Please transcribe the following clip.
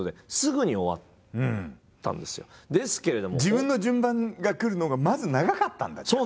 自分の順番が来るのがまず長かったんだじゃあ。